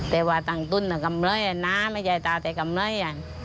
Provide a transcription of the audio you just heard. แต่ว่าตั้งตุ้นกำไรนะไม่ใช่ตาแต่กำไร